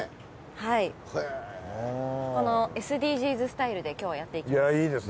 はいこのＳＤＧｓスタイルで今日はやっていきます。